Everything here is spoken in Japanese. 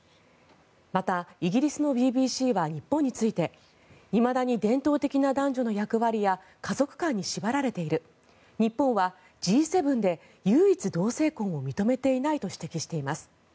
また、イギリスのＢＢＣは日本についていまだに伝統的な男女の役割や家族観に縛られている日本はＧ７で唯一同性婚を認めていないと指摘しています。